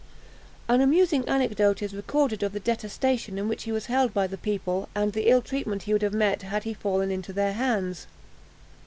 An amusing anecdote is recorded of the detestation in which he was held by the people, and the ill treatment he would have met had he fallen into their hands.